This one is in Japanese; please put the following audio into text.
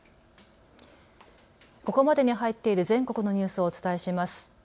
ここまでに入っている全国のニュースをお伝えします。